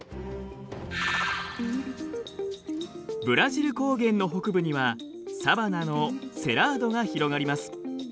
ブラジル高原の北部にはサバナのセラードが広がります。